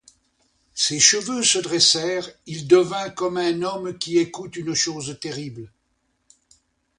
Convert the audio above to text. Ses cheveux se dressèrent, il devint comme un homme qui écoute une chose terrible.